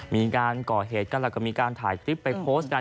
มีการก่อเหตุกันแล้วก็มีการถ่ายคลิปไปโพสต์กัน